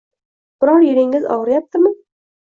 Biror yeringiz og’riyaptimi?